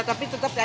tapi tetap dicari